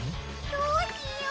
どうしよう！？